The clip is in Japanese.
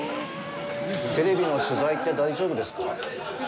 テレビの取材って、大丈夫ですか？